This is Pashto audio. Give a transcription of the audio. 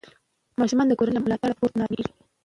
ماشوم د کورنۍ له ملاتړ پرته نارامه کېږي.